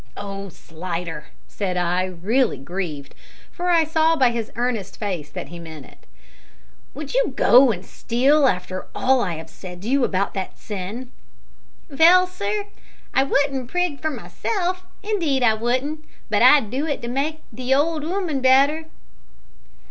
"Oh, Slidder," said I, really grieved, for I saw by his earnest face that he meant it, "would you go and steal after all I have said to you about that sin?" "Vell, sir, I wouldn't prig for myself indeed I wouldn't but I'd do it to make the old 'ooman better."